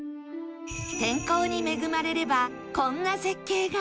天候に恵まれればこんな絶景が